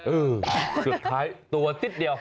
เออสุดท้ายตัวนิดเดียว